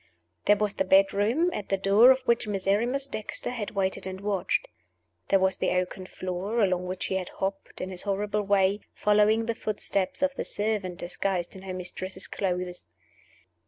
There was the bedroom, at the door of which Miserrimus Dexter had waited and watched. There was the oaken floor along which he had hopped, in his horrible way, following the footsteps of the servant disguised in her mistress's clothes.